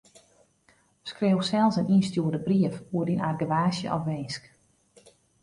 Skriuw sels in ynstjoerde brief oer dyn argewaasje of winsk.